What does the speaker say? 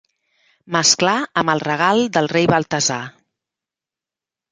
Mesclar amb el regal del rei Baltasar.